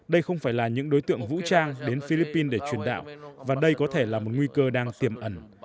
đây không phải là những đối tượng vũ trang đến philippines để truyền đạo và đây có thể là một nguy cơ đang tiềm ẩn